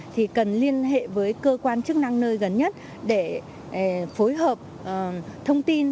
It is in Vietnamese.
thì cần liên hệ với cơ quan chức năng nơi gần nhất để phối hợp thông tin